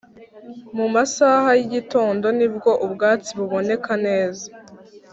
Mumasaha yi igitondo nibwo ubwatsi buboneka neza